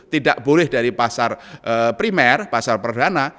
tidak boleh dari pasar primer pasar perdana